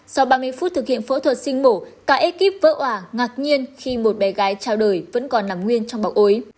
sau ba mươi phút thực hiện phẫu thuật sinh mổ cả ekip vỡ ỏa ngạc nhiên khi một bé gái trao đổi vẫn còn nằm nguyên trong bọc ối